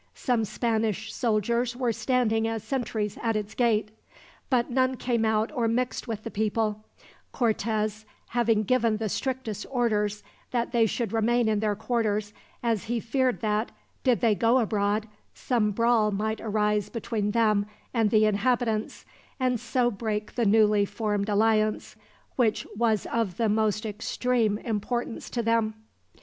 Some Spanish soldiers were standing as sentries at its gate, but none came out or mixed with the people Cortez having given the strictest orders that they should remain in their quarters, as he feared that, did they go abroad, some brawl might arise between them and the inhabitants, and so break the newly formed alliance, which was of the most extreme importance to them.